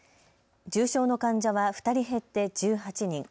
重症の患者は２人減って１８人。